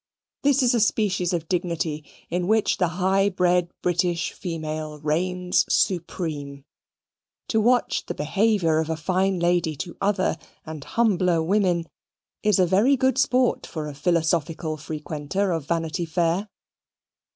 This is a species of dignity in which the high bred British female reigns supreme. To watch the behaviour of a fine lady to other and humbler women, is a very good sport for a philosophical frequenter of Vanity Fair.